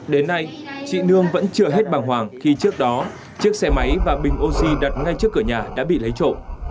đến nay chị nương vẫn chưa hết bằng hoàng khi trước đó chiếc xe máy và bình oxy đặt ngay trước cửa nhà đã bị lấy trộm